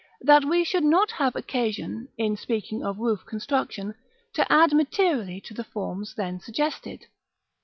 that we should not have occasion, in speaking of roof construction, to add materially to the forms then suggested.